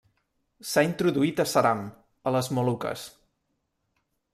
S'ha introduït a Seram, a les Moluques.